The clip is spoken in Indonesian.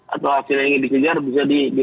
atau hasilnya ingin dikejar bisa dilakukan